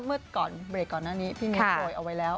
เบลดกันหน้านี้พี่เนธโทยเอาไว้แล้ว